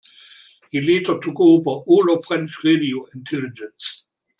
He later took over all of French radio intelligence.